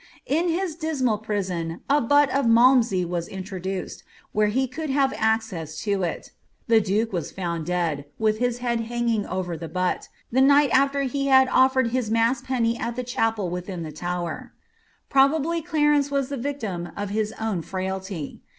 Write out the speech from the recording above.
In his dismal prison a butt o[ malmsey was introduced, where he could have access to it The duke was found dead, with his head hanging over the butt, the night after he had offered his mass penny at the chapel within the Tower. Probably Clarence was the victim of his own frailty.